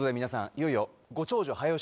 いよいよご長寿早押し